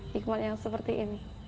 hikmat yang seperti ini